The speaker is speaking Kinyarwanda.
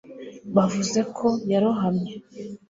bavuze ko yarohamye